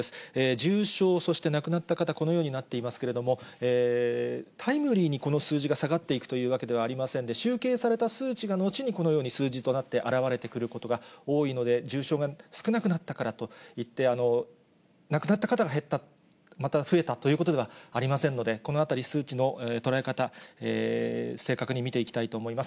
重症、そして亡くなった方、このようになっていますけれども、タイムリーにこの数字が下がっていくというわけではありませんで、集計された数値が後にこのように数字となって表れてくることが多いので、重症が少なくなったからといって、亡くなった方が減った、または増えたということではありませんので、このあたり、数値の捉え方、正確に見ていきたいと思います。